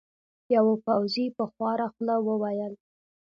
یوه پوځي په خواره خوله وویل.